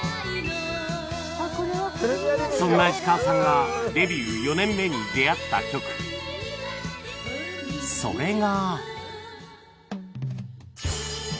そんな石川さんがデビュー４年目に出会った曲それが